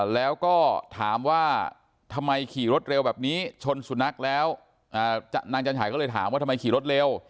แล้วก็ถามว่าทำไมขี่รถเร็วแบบนี้ชนสุนัขแล้วนางจันฉายก็เลยถามว่าทำไมขี่รถเร็ว